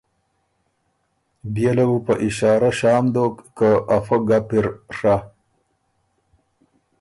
بيې له بو په اشارۀ شام دوک که ا فۀ ګپ اِر ڒۀ۔